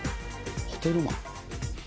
ホテルマン？